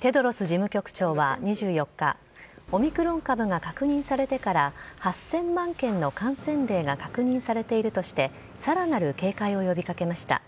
テドロス事務局長は２４日、オミクロン株が確認されてから８０００万件の感染例が確認されているとして、さらなる警戒を呼びかけました。